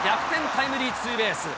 タイムリーツーベース。